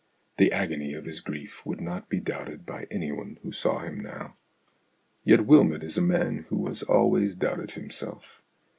The agony of his grief would not be doubted by anyone who saw him now. Yet Wylmot is a man who has always doubted himself.